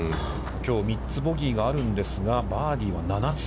きょう、３つボギーがあるんですが、バーディーは７つ。